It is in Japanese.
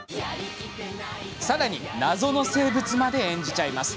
さらに謎の生物まで演じちゃいます。